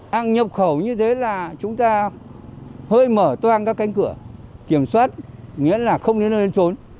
hàng nhập khẩu như thế là chúng ta hơi mở toan các cánh cửa kiểm soát nghĩa là không nên lên trốn